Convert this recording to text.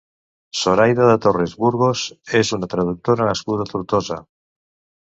Zoraida de Torres Burgos és una traductora nascuda a Tortosa.